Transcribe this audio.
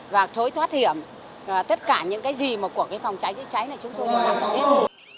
và thối thoát hiểm tất cả những cái gì mà của cái phòng trái trợ cháy là chúng tôi đều nắm mắt hết